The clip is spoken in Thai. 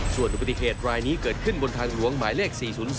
ส่วนอุบัติเหตุรายนี้เกิดขึ้นบนทางหลวงหมายเลข๔๐๒